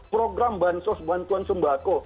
program bansos bantuan sembako